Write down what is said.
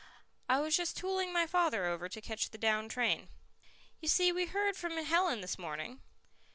"I was just tooling my father over to catch the down train." "You see, we heard from Helen this morning."